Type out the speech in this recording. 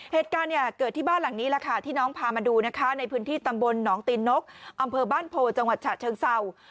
เหตุการณ์เนี่ยเกิดที่บ้านหลังนี้แหละค่ะที่น้องพามาดูนะคะในพื้นที่ตำบลหนองตีนนกอำเภอบ้านโพจังหวัดฉะเชิงเศร้า